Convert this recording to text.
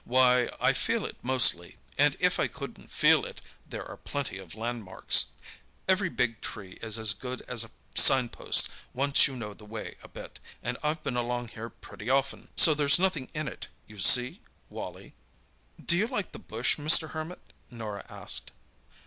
Why, I feel it mostly, and if I couldn't feel it, there are plenty of landmarks. Every big tree is as good as a signpost once you know the way a bit, and I've been along here pretty often, so there's nothing in it, you see, Wally." "Do you like the bush, Mr. Hermit?" Norah asked.